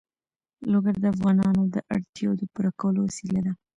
لوگر د افغانانو د اړتیاوو د پوره کولو وسیله ده.